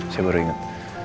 saya baru ingat